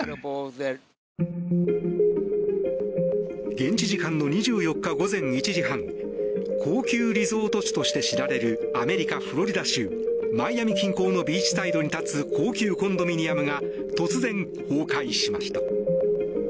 現地時間の２４日午前１時半高級リゾート地として知られるアメリカ・フロリダ州マイアミ近郊のビーチサイドに立つ高級コンドミニアムが突然、崩壊しました。